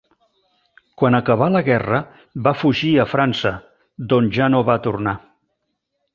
Quan acabà la guerra va fugir a França, d'on ja no va tornar.